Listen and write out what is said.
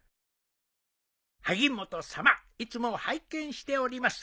「萩本様いつも拝見しております」